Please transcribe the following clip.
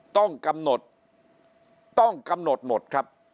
ต้องกำหนดต้องกำหนดหมดครับ